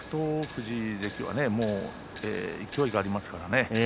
富士関は勢いがありますからね